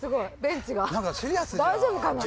大丈夫かな。